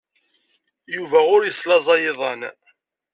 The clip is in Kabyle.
Yuba ur yeslaẓay iḍan.